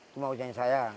semua usianya saya